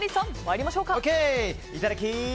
いただき！